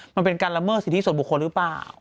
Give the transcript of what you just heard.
มันเป็นการละเมิดสิทธิส่วนบุคคลหรือเปล่า